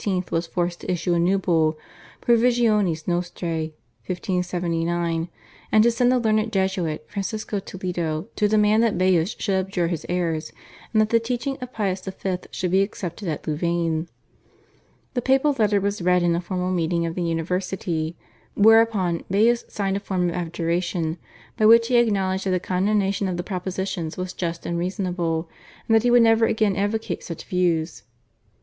was forced to issue a new Bull, /Provisionis nostrae/ (1579), and to send the learned Jesuit, Francisco Toledo, to demand that Baius should abjure his errors, and that the teaching of Pius V. should be accepted at Louvain. The papal letter was read in a formal meeting of the university, whereupon Baius signed a form of abjuration, by which he acknowledged that the condemnation of the propositions was just and reasonable, and that he would never again advocate such views.